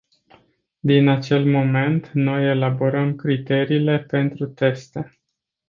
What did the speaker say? Din acel moment, noi elaborăm criteriile pentru teste.